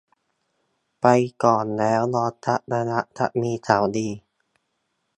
ไปก่อนแล้วรอสักระยะจะมีข่าวดี